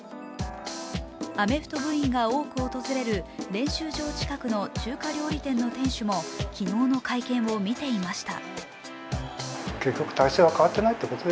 アメフト部員が多く訪れる練習場近くの中華料理店の店主も昨日の会見を見ていました。